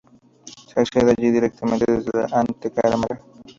Se accede allí directamente desde la antecámara.